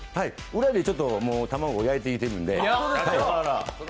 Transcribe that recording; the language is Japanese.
裏でちょっと卵やいていてるんで。